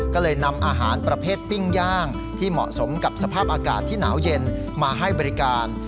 ก็เลยนำอาหารประเภทปิ้งย่างที่เหมาะสมกับสภาพอากาศที่หนาวเย็นมาให้บริการ